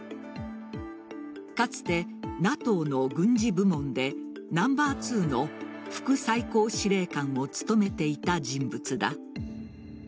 かつてＮＡＴＯの軍事部門でナンバー２の副最高司令官を務めていた人物だ。